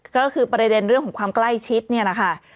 ก็คือประเด็นเรื่องของความใกล้ชิดเนี่ยนะคะ